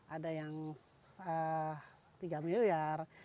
ada yang tiga miliar